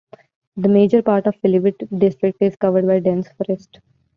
The major part of Pilibhit District is covered by dense forest.